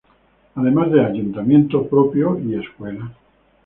Además de ayuntamiento propio y escuela.